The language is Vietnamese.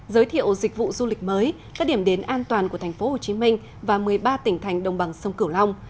giới thiệu dịch vụ du lịch mới các điểm đến an toàn của tp hcm và một mươi ba tỉnh thành đồng bằng sông cửu long